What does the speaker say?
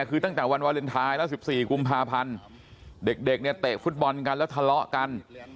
คือตั้งแต่วันวาเลนไทยแล้ว๑๔กุมภาพันธ์เด็กเนี่ยเตะฟุตบอลกันแล้วทะเลาะกัน